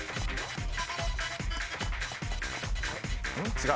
違う！